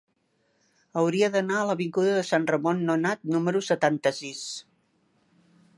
Hauria d'anar a l'avinguda de Sant Ramon Nonat número setanta-sis.